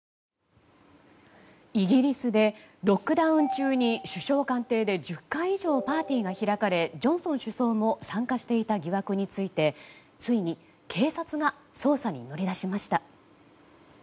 イギリスでロックダウン中に首相官邸で１０回以上パーティーが開かれジョンソン首相も参加していた疑惑についてついに警察が捜査に乗り出しました。